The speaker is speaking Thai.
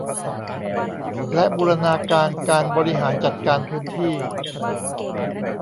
และบูรณาการการบริหารจัดการพื้นที่